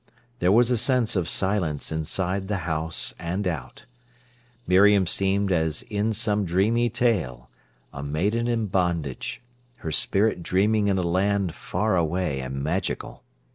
There was a sense of silence inside the house and out. Miriam seemed as in some dreamy tale, a maiden in bondage, her spirit dreaming in a land far away and magical.